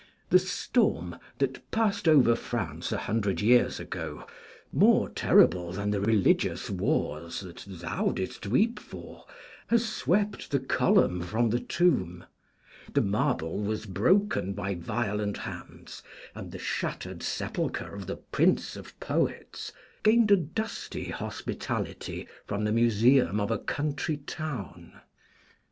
The storm that passed over France a hundred years ago, more terrible than the religious wars that thou didst weep for, has swept the column from the tomb. The marble was broken by violent hands, and the shattered sepulchre of the Prince of Poets gained a dusty hospitality from the museum of a country town.